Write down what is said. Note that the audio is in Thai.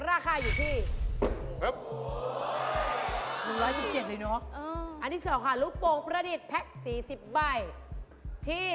๕ในค่ายุทธ์โปรคประฏิษฐ์แพ็ก๑๐ใบ